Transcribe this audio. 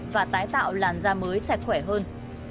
và tái tạo làn da mới sẽ khỏe hơn